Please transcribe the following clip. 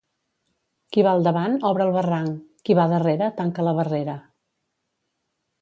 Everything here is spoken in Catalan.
Qui va al davant obre el barranc, qui va darrere tanca la barrera.